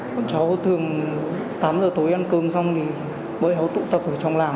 cháu thường tám giờ tối ăn cơm xong thì bởi hậu tụ tập ở trong làng